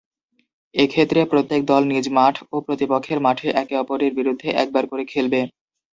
এক্ষেত্রে প্রত্যেক দল নিজ মাঠ ও প্রতিপক্ষের মাঠে একে-অপরের বিরুদ্ধে একবার করে খেলবে।